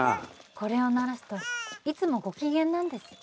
これを鳴らすといつもご機嫌なんです